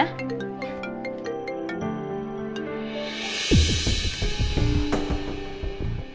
ini ga ada apa dua